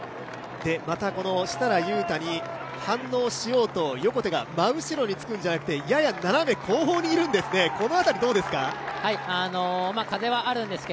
また設楽悠太に反応しようと横手が真後ろにつくんじゃなくて、やや斜め後方にいるんですね